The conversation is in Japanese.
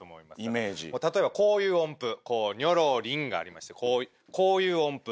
例えばこういう音符ニョロリンがありましてこうこういう音符。